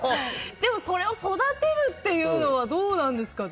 でも、それを育てるっていうのはどうなんですかね？